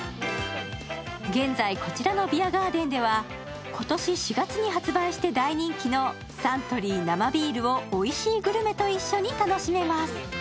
現在こちらのビアガーデンでは今年４月に発売して大人気のサントリー生ビールをおいしいグルメと一緒に楽しめます。